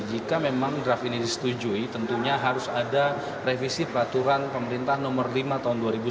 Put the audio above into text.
jika memang draft ini disetujui tentunya harus ada revisi peraturan pemerintah nomor lima tahun dua ribu sembilan belas